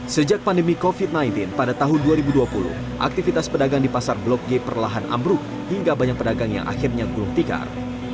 sejak pandemi covid sembilan belas pada tahun dua ribu dua puluh aktivitas pedagang di pasar blok g perlahan ambruk hingga banyak pedagang yang akhirnya gulung tikar